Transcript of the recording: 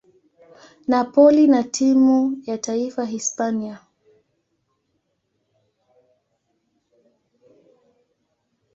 Napoli na timu ya taifa ya Hispania.